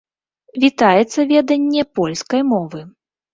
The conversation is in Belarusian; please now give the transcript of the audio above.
Вітаецца веданне польскай мовы.